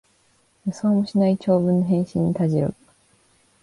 予想もしない長文の返信にたじろぐ